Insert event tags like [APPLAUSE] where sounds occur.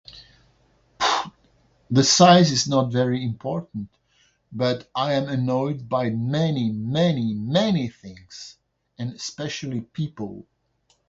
[HESITATION] The size is not very important, but I am annoyed by many, many, many things, and especially people.